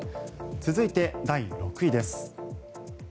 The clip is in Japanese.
続いて、第６位です。